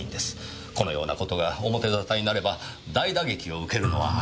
このような事が表沙汰になれば大打撃を受けるのは明らかです。